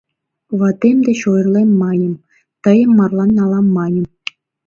Ватем деч ойырлем, маньым, тыйым марлан налам, маньым.